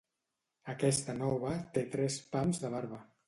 Aquesta nova té tres pams de barba.